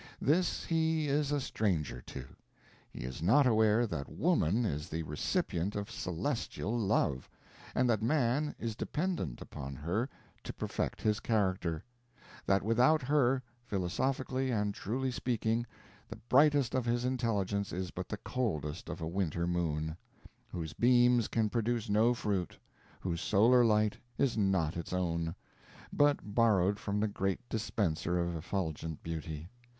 This he is a stranger to; he is not aware that woman is the recipient of celestial love, and that man is dependent upon her to perfect his character; that without her, philosophically and truly speaking, the brightest of his intelligence is but the coldness of a winter moon, whose beams can produce no fruit, whose solar light is not its own, but borrowed from the great dispenser of effulgent beauty.